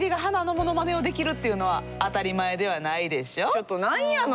ちょっと何やの？